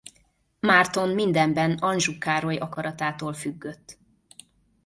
Márton mindenben Anjou Károly akaratától függött.